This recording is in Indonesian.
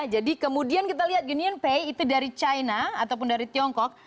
jadi kemudian kita lihat gideon pay itu dari china ataupun dari tiongkok